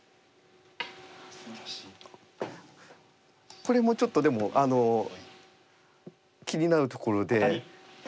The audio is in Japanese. これもちょっとでも気になるところで。